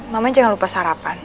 mamanya jangan lupa sarapan